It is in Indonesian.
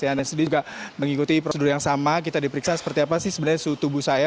anda sendiri juga mengikuti prosedur yang sama kita diperiksa seperti apa sih sebenarnya suhu tubuh saya